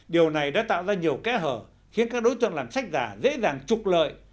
điều này đã tạo ra nhiều kẽ hở khiến các đối tượng làm sách giả dễ dàng trục lợi